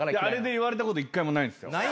あれで言われたこと一回もないんですよ。